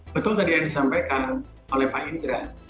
betul tadi yang disampaikan oleh pak indra